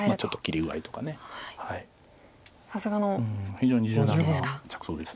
非常に柔軟な着想です。